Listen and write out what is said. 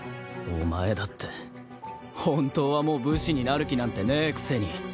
お前だって本当はもう武士になる気なんてねえくせに。